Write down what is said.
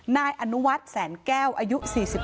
นายอนุวัฒน์แสนแก้วอายุ๔๒